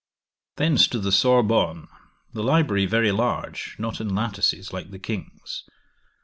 'Thence to the Sorbonne. The library very large, not in lattices like the King's.